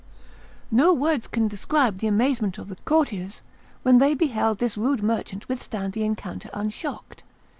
No words can describe the amazement of the courtiers when they beheld this rude merchant withstand the encounter unshocked.